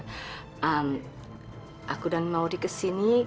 ehm aku dan maudie kesini